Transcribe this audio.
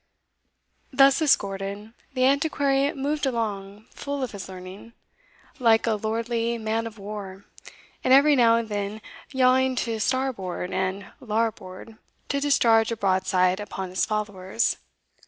) Thus escorted, the Antiquary moved along full of his learning, like a lordly man of war, and every now and then yawing to starboard and larboard to discharge a broadside upon his followers.